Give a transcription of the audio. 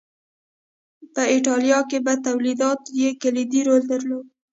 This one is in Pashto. په اېټالیا کې په تولید کې یې کلیدي رول درلود